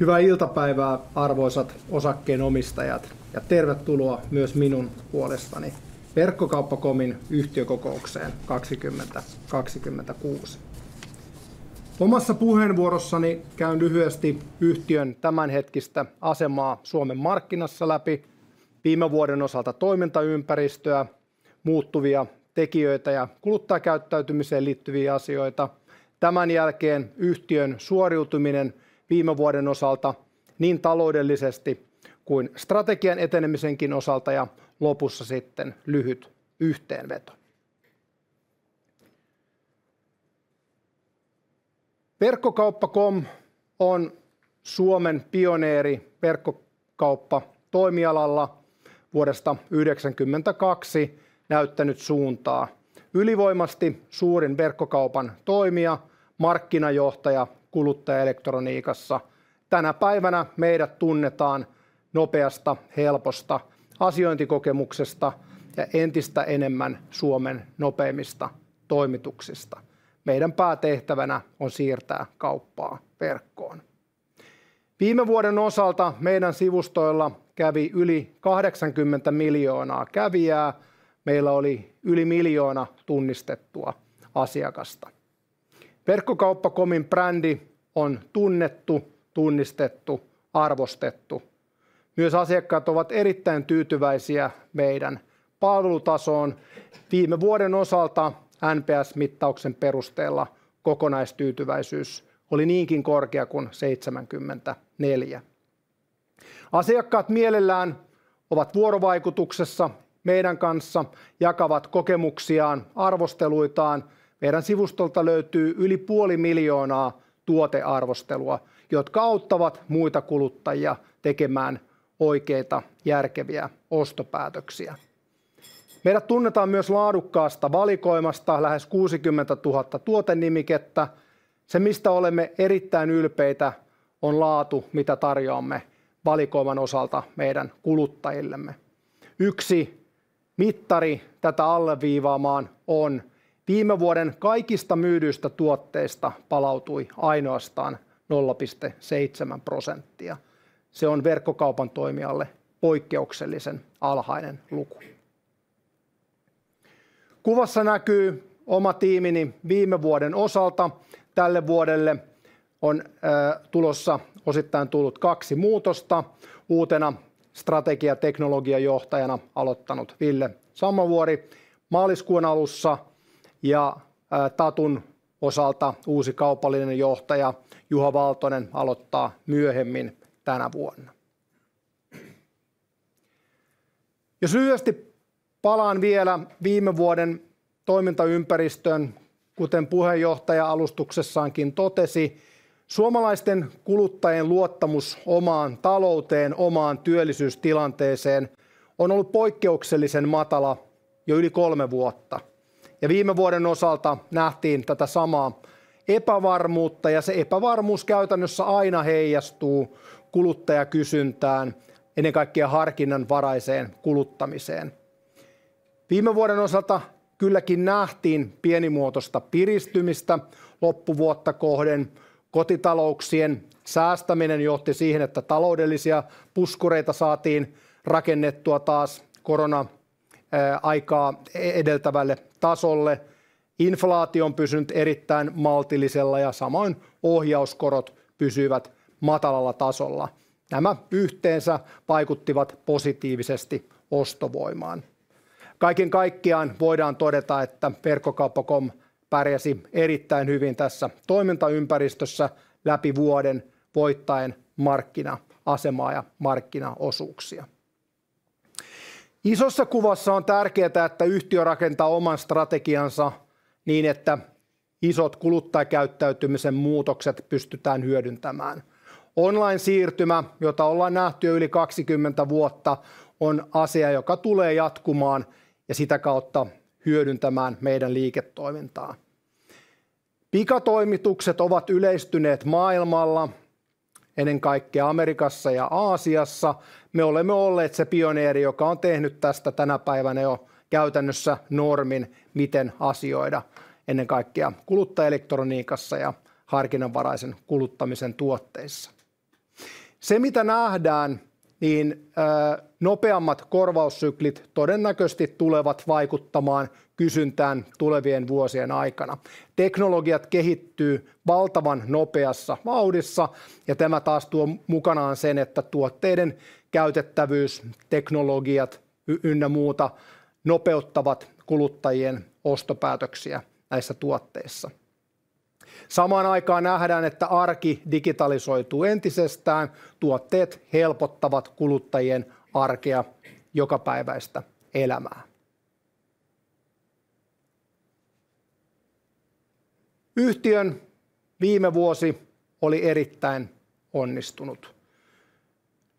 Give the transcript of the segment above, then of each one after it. Hyvää iltapäivää, arvoisat osakkeenomistajat, ja tervetuloa myös minun puolestani Verkkokauppa.comin yhtiökokoukseen 2026. Omassa puheenvuorossani käyn lyhyesti läpi yhtiön tämänhetkistä asemaa Suomen markkinassa, viime vuoden toimintaympäristöä, muuttuvia tekijöitä ja kuluttajakäyttäytymiseen liittyviä asioita. Tämän jälkeen käsitellään yhtiön suoriutumista viime vuonna niin taloudellisesti kuin strategian etenemisenkin osalta, ja lopussa sitten lyhyt yhteenveto. Verkkokauppa.com on Suomen pioneeri verkkokauppatoimialalla, vuodesta 1992 näyttänyt suuntaa. Ylivoimaisesti suurin verkkokaupan toimija ja markkinajohtaja kuluttajaelektroniikassa. Tänä päivänä meidät tunnetaan nopeasta ja helposta asiointikokemuksesta ja entistä enemmän Suomen nopeimmista toimituksista. Meidän päätehtävänä on siirtää kauppaa verkkoon. Viime vuoden osalta sivustoillamme kävi yli 80 miljoonaa kävijää. Meillä oli yli 1 miljoonaa tunnistettua asiakasta. Verkkokauppa.comin brändi on tunnettu, tunnistettu ja arvostettu. Myös asiakkaat ovat erittäin tyytyväisiä palvelutasoomme. Viime vuoden osalta NPS-mittauksen perusteella kokonaistyytyväisyys oli niinkin korkea kuin 74. Asiakkaat mielellään ovat vuorovaikutuksessa meidän kanssamme ja jakavat kokemuksiaan ja arvosteluitaan. Sivustoltamme löytyy yli 0.5 miljoonaa tuotearvostelua, jotka auttavat muita kuluttajia tekemään oikeita, järkeviä ostopäätöksiä. Meidät tunnetaan myös laadukkaasta valikoimasta, lähes 60,000 tuotenimikettä. Se, mistä olemme erittäin ylpeitä, on laatu, jota tarjoamme valikoiman osalta kuluttajillemme. Yksi mittari tätä alleviivaamaan on, että viime vuoden kaikista myydyistä tuotteista palautui ainoastaan 0.7%. Se on verkkokaupan toimijalle poikkeuksellisen alhainen luku. Kuvassa näkyy oma tiimini viime vuoden osalta. Tälle vuodelle on tulossa kaksi muutosta. Uutena strategia- ja teknologiajohtajana on aloittanut Ville Sammalkorpi maaliskuun alussa, ja Tatun osalta uusi kaupallinen johtaja Juha Valtonen aloittaa myöhemmin tänä vuonna. Lyhyesti palaan vielä viime vuoden toimintaympäristöön. Kuten puheenjohtaja alustuksessaankin totesi, suomalaisten kuluttajien luottamus omaan talouteen ja työllisyystilanteeseen on ollut poikkeuksellisen matala jo yli kolme vuotta. Viime vuonna nähtiin tätä samaa epävarmuutta, ja se epävarmuus käytännössä aina heijastuu kuluttajakysyntään, ennen kaikkea harkinnanvaraiseen kuluttamiseen. Viime vuoden osalta kylläkin nähtiin pienimuotoista piristymistä loppuvuotta kohden. Kotitalouksien säästäminen johti siihen, että taloudellisia puskureita saatiin rakennettua taas korona-aikaa edeltävälle tasolle. Inflaatio on pysynyt erittäin maltillisella, ja samoin ohjauskorot pysyivät matalalla tasolla. Nämä yhteensä vaikuttivat positiivisesti ostovoimaan. Kaiken kaikkiaan voidaan todeta, että Verkkokauppa.com pärjäsi erittäin hyvin tässä toimintaympäristössä läpi vuoden voittaen markkina-asemaa ja markkinaosuuksia. Isossa kuvassa on tärkeää, että yhtiö rakentaa oman strategiansa niin, että isot kuluttajakäyttäytymisen muutokset pystytään hyödyntämään. Online-siirtymä, jota ollaan nähty jo yli 20 vuotta, on asia, joka tulee jatkumaan ja sitä kautta hyödyntämään liiketoimintaamme. Pikatoimitukset ovat yleistyneet maailmalla, ennen kaikkea Amerikassa ja Aasiassa. Me olemme olleet se pioneeri, joka on tehnyt tästä tänä päivänä jo käytännössä normin, miten asioida, ennen kaikkea kuluttajaelektroniikassa ja harkinnanvaraisen kuluttamisen tuotteissa. Se, mitä nähdään, on että nopeammat korvaussyklit todennäköisesti tulevat vaikuttamaan kysyntään tulevien vuosien aikana. Teknologiat kehittyvät valtavan nopeassa vauhdissa, ja tämä taas tuo mukanaan sen, että tuotteiden käytettävyys, teknologiat ynnä muut nopeuttavat kuluttajien ostopäätöksiä näissä tuotteissa. Samaan aikaan nähdään, että arki digitalisoituu entisestään. Tuotteet helpottavat kuluttajien arkea ja jokapäiväistä elämää. Yhtiön viime vuosi oli erittäin onnistunut.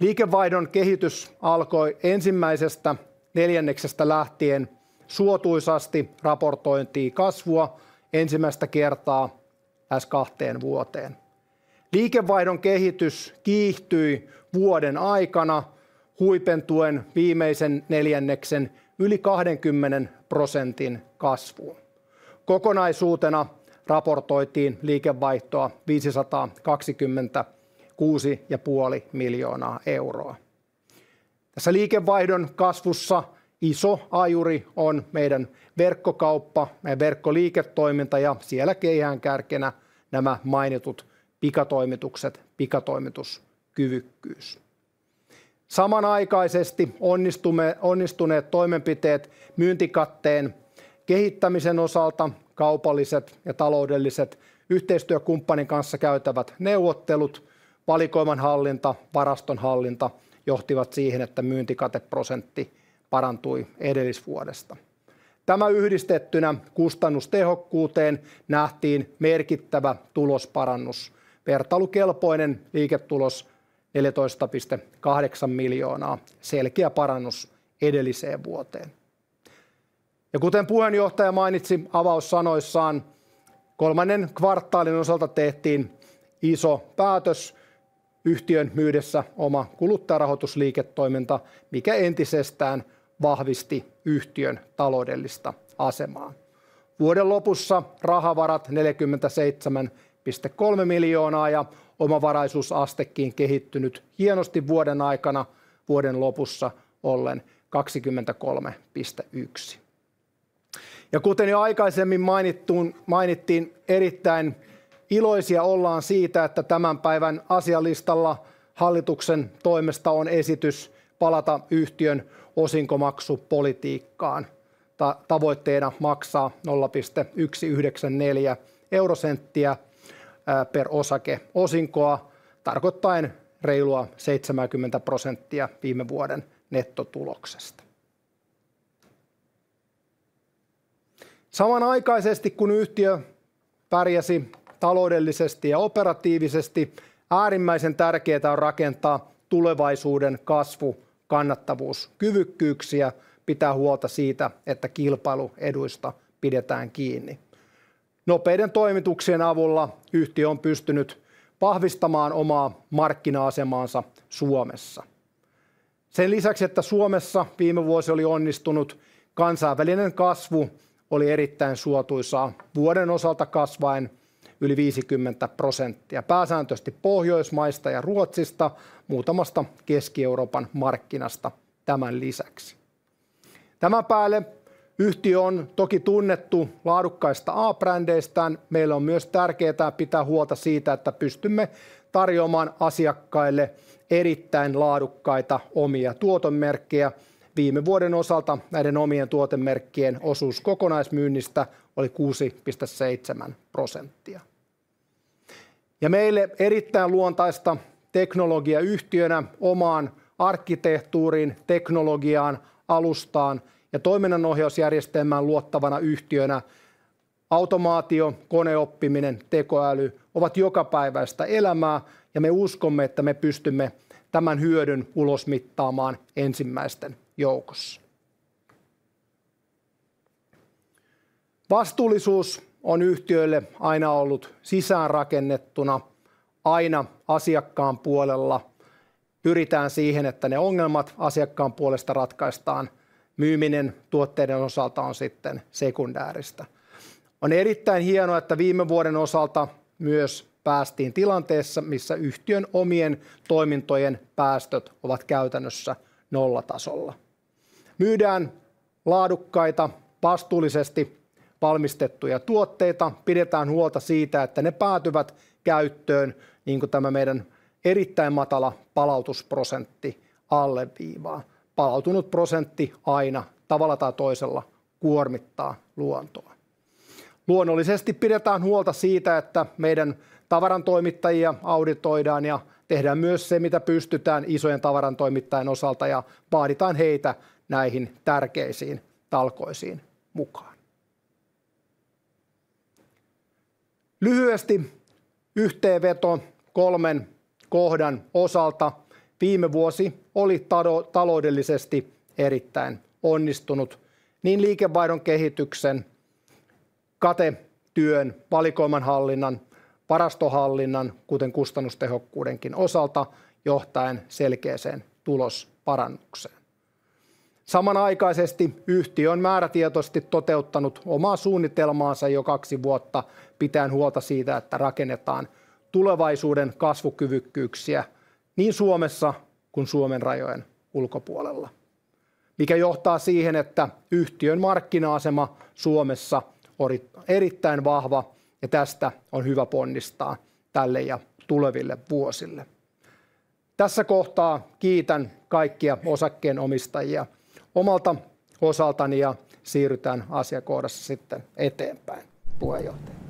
Liikevaihdon kehitys alkoi ensimmäisestä neljänneksestä lähtien suotuisasti, raportoitiin kasvua ensimmäistä kertaa lähes kahteen vuoteen. Liikevaihdon kehitys kiihtyi vuoden aikana huipentuen viimeisen neljänneksen yli 20% kasvuun. Kokonaisuutena raportoitiin liikevaihtoa EUR 526.5 million. Tässä liikevaihdon kasvussa iso ajuri on verkkokauppa, verkkoliiketoiminta ja siellä keihäänkärkenä mainitut pikatoimitukset, pikatoimituskyvykkyys. Samanaikaisesti onnistuneet toimenpiteet myyntikatteen kehittämisen osalta, kaupalliset ja taloudelliset yhteistyökumppanin kanssa käytävät neuvottelut, valikoimanhallinta, varastonhallinta johtivat siihen, että myyntikateprosentti parantui edellisvuodesta. Tämä yhdistettynä kustannustehokkuuteen nähtiin merkittävä tulosparannus. Vertailukelpoinen liiketulos 14.8 million. Selkeä parannus edelliseen vuoteen. Kuten puheenjohtaja mainitsi avaussanoissaan, kolmannen kvartaalin osalta tehtiin iso päätös yhtiön myydessä oma kuluttajarahoitusliiketoiminta, mikä entisestään vahvisti yhtiön taloudellista asemaa. Vuoden lopussa rahavarat 47.3 million ja omavaraisuusastekin kehittynyt hienosti vuoden aikana vuoden lopussa ollen 23.1%. Kuten jo aikaisemmin mainittiin, erittäin iloisia ollaan siitä, että tämän päivän asialistalla hallituksen toimesta on esitys palata yhtiön osinkomaksupolitiikkaan, tavoitteena maksaa 0.194 per osake osinkoa, tarkoittaen reilua 70% viime vuoden nettotuloksesta. Samanaikaisesti, kun yhtiö pärjäsi taloudellisesti ja operatiivisesti, erittäin tärkeää on rakentaa tulevaisuuden kasvu, kannattavuuskyvykkyyksiä, pitää huolta siitä, että kilpailueduista pidetään kiinni. Nopeiden toimituksien avulla yhtiö on pystynyt vahvistamaan omaa markkina-asemaansa Suomessa. Sen lisäksi, että Suomessa viime vuosi oli onnistunut, kansainvälinen kasvu oli erittäin suotuisaa vuoden osalta kasvaen yli 50%, pääsääntöisesti Pohjoismaista ja Ruotsista, muutamasta Keski-Euroopan markkinasta tämän lisäksi. Tämän päälle yhtiö on toki tunnettu laadukkaista A-brändeistään. Meille on myös tärkeää pitää huolta siitä, että pystymme tarjoamaan asiakkaille erittäin laadukkaita omia tuotemerkkejä. Viime vuoden osalta näiden omien tuotemerkkien osuus kokonaismyynnistä oli 6.7%. Meille erittäin luontaista teknologiayhtiönä, omaan arkkitehtuuriin, teknologiaan, alustaan ja toiminnanohjausjärjestelmään luottavana yhtiönä, automaatio, koneoppiminen ja tekoäly ovat jokapäiväistä elämää, ja me uskomme, että me pystymme tämän hyödyn ulosmittaamaan ensimmäisten joukossa. Vastuullisuus on yhtiölle aina ollut sisäänrakennettuna, aina asiakkaan puolella pyritään siihen, että ongelmat asiakkaan puolesta ratkaistaan. Myyminen tuotteiden osalta on sekundääristä. On erittäin hienoa, että viime vuoden osalta myös päästiin tilanteessa, missä yhtiön omien toimintojen päästöt ovat käytännössä nollatasolla. Myydään laadukkaita, vastuullisesti valmistettuja tuotteita, pidetään huolta siitä, että ne päätyvät käyttöön, niin kuin tämä meidän erittäin matala palautusprosentti alleviivaa. Palautunut prosentti aina tavalla tai toisella kuormittaa luontoa. Luonnollisesti pidetään huolta siitä, että meidän tavarantoimittajia auditoidaan ja tehdään myös se, mitä pystytään isojen tavarantoimittajan osalta ja vaaditaan heitä näihin tärkeisiin talkoisiin mukaan. Lyhyesti yhteenveto kolmen kohdan osalta. Viime vuosi oli taloudellisesti erittäin onnistunut niin liikevaihdon kehityksen, katetyön, valikoimanhallinnan, varastohallinnan, kuten kustannustehokkuudenkin osalta, johtaen selkeään tulosparannukseen. Samanaikaisesti yhtiö on määrätietoisesti toteuttanut omaa suunnitelmaansa jo kaksi vuotta pitäen huolta siitä, että rakennetaan tulevaisuuden kasvukyvykkyyksiä niin Suomessa kuin Suomen rajojen ulkopuolella, mikä johtaa siihen, että yhtiön markkina-asema Suomessa on erittäin vahva ja tästä on hyvä ponnistaa tälle ja tuleville vuosille. Tässä kohtaa kiitän kaikkia osakkeenomistajia omalta osaltani ja siirrytään asiakohdassa eteenpäin, puheenjohtaja.